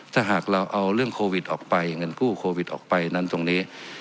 ถ้าหากเราเอาเรื่องโควิดออกไปเงินกู้โควิดออกไปนั้นตรงนี้